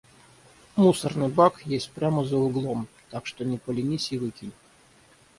Мусорный бак есть прямо за углом, так что не поленись и выкинь.